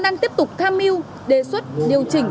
đang tiếp tục tham mưu đề xuất điều chỉnh